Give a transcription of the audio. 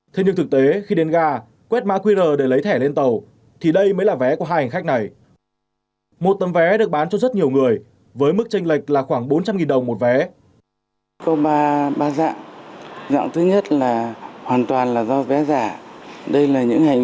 thế nhưng thực tế khi đến ga quét má qr để lấy thẻ lên tàu thì đây mới là vé của hai hành khách này